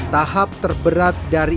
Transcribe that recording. tahap terberat dari